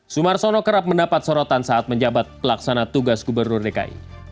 sumar sono kerap mendapat sorotan saat menjabat pelaksana tugas gubernur di negara